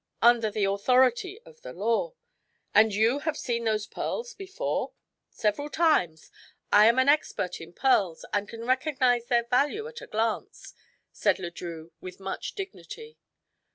"Under the authority of the law." "And you have seen those pearls before?" "Several times. I am an expert in pearls and can recognize their value at a glance," said Le Drieux with much dignity.